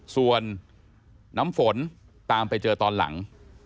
ส่วนน้ำฝนตามไปเจอตอนหลัง